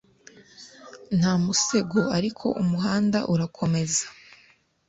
Nta musego ariko umuhanda urakomeza